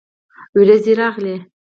ورېځې راغلې